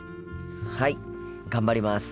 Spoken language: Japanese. はい頑張ります。